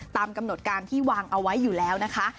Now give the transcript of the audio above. ตามกำหนดการที่วางเอาไว้อยู่แล้วนะคะ